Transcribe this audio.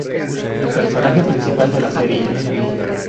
Personaje principal de la serie.